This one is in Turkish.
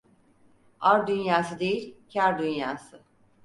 Ar dünyası değil, kâr dünyası.